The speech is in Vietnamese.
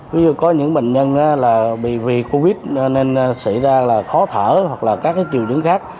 ví dụ có những bệnh nhân bị covid nên xảy ra khó thở hoặc là các triều chứng khác